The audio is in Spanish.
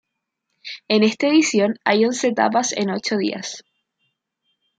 En esta edición hay once etapas en ocho días.